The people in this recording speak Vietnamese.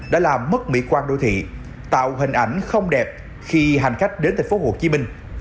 đã làm mất mỹ quan đô thị tạo hình ảnh không đẹp khi hành khách đến thành phố hồ chí minh